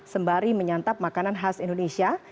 sembari menyantap makanan khas indonesia